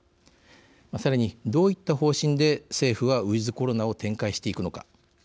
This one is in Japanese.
さらに、どういった方針で政府は、ウィズコロナを展開していくのか。